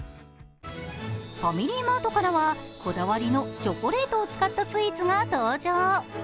ファミリーマートからはこだわりのチョコレートを使ったスイーツが登場。